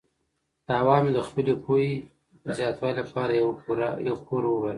تاوان مې د خپلې پوهې د زیاتوالي لپاره یو پور وباله.